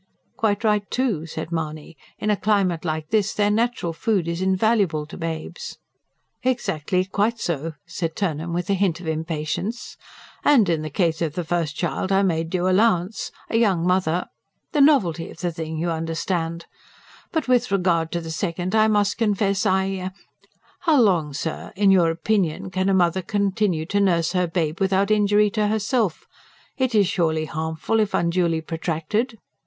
"Quite right, too," said Mahony. "In a climate like this their natural food is invaluable to babes." "Exactly, quite so," said Turnham, with a hint of impatience. "And in the case of the first child, I made due allowance: a young mother... the novelty of the thing... you understand. But with regard to the second, I must confess I How long, sir, in your opinion, can a mother continue to nurse her babe without injury to herself? It is surely harmful if unduly protracted?